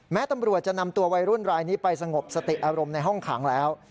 ตำรวจจะนำตัววัยรุ่นรายนี้ไปสงบสติอารมณ์ในห้องขังแล้ว